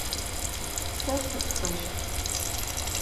Сэ сытхэщт.